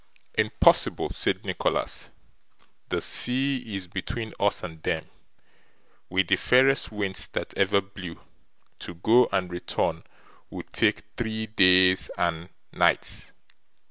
'Impossible!' said Nicholas, 'the sea is between us and them. With the fairest winds that ever blew, to go and return would take three days and nights.